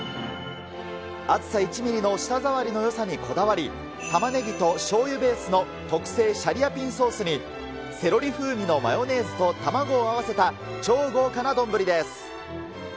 厚さ１ミリの舌触りのよさにこだわり、タマネギとしょうゆベースの特製シャリアピンソースに、セロリ風味のマヨネーズと卵を合わせた、超豪華な丼です。